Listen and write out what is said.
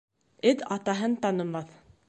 Эт атаһын танымаҫ.